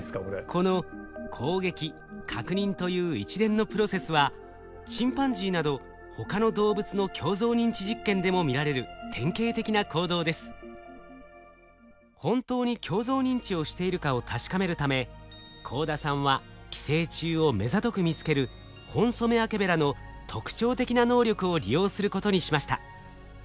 この攻撃確認という一連のプロセスはチンパンジーなど本当に鏡像認知をしているかを確かめるため幸田さんは寄生虫をめざとく見つけるホンソメワケベラの特徴的な能力を利用することにしました。